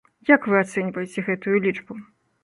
Як вы ацэньваеце гэтую лічбу?